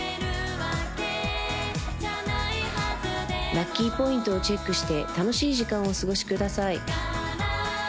ラッキーポイントをチェックして楽しい時間をお過ごしください